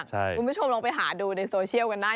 คุณผู้ชมลองไปหาดูในโซเชียลกันได้